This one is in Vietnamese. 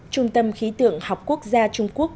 trung tâm khí tượng học quốc gia trung quốc